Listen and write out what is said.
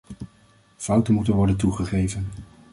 Fouten moeten worden toegegeven.